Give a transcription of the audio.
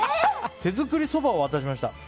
手作りそばを渡しました。